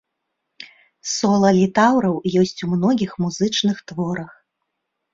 Сола літаўраў ёсць у многіх музычных творах.